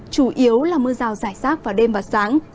chủ yếu là mưa rào giải sát vào đêm và sáng